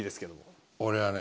俺はね